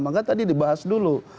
makanya tadi dibahas dulu